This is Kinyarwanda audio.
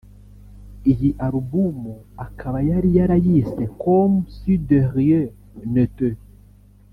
Iyi Alubum akaba yari yarayise Comme si de rien n’était